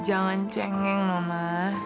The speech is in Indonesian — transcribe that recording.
jangan cengeng nona